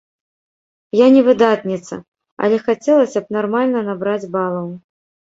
Я не выдатніца, але хацелася б нармальна набраць балаў.